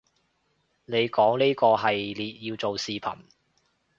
你講呢個系列要做視頻